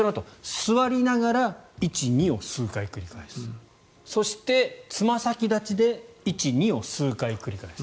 座りながら１、２を数回繰り返すそして、つま先立ちで１、２を数回繰り返す。